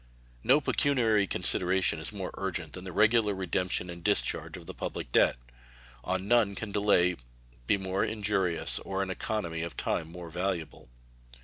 No pecuniary consideration is more urgent than the regular redemption and discharge of the public debt. On none can delay be more injurious or an economy of time more valuable.